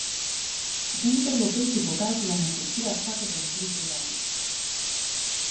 Џенифер Лопез и покажува на Шакира како да го тресе задникот